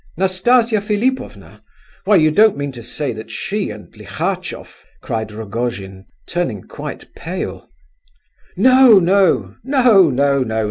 "Nastasia Philipovna? Why, you don't mean to say that she and Lihachof—" cried Rogojin, turning quite pale. "No, no, no, no, no!